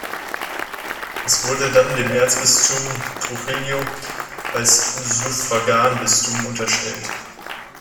Es wurde dann dem Erzbistum Trujillo als Suffraganbistum unterstellt.